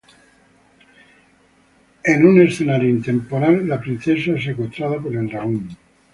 En un escenario intemporal, la Princesa es secuestrada por el Dragón.